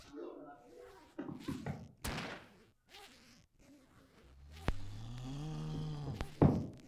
uchafuzi wa hewa na kutambua hatua zinazoweza kutangulizwa